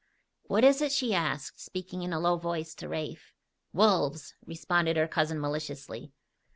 "What is it?" she asked, speaking in a low voice to Rafe. "Wolves!" responded her cousin maliciously.